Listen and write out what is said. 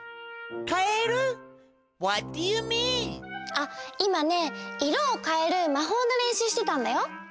あっいまねいろをかえるまほうのれんしゅうしてたんだよ。